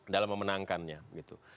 dalam memenangkannya gitu